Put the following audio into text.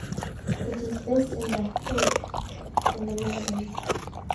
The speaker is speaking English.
It is based in The Hague, in the Netherlands.